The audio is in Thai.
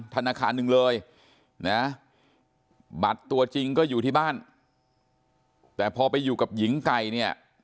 ธนาคารหนึ่งเลยนะบัตรตัวจริงก็อยู่ที่บ้านแต่พอไปอยู่กับหญิงไก่เนี่ย